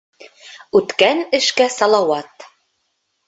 Үткән эшкә салауат.